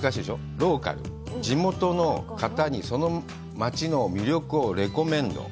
ローカル、地元の方にその町の魅力をレコメンド。